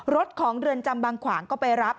รถของเรือนจำบางขวางก็ไปรับ